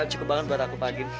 cukup banget buat aku pagi